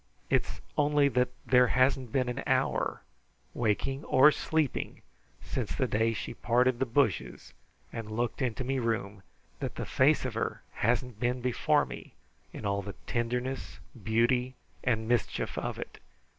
It's only that there hasn't been an hour, waking or sleeping, since the day she parted the bushes and looked into me room, that the face of her hasn't been before me in all the tinderness, beauty, and mischief of it.